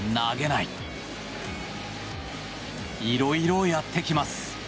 いろいろやってきます。